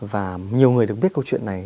và nhiều người được biết câu chuyện này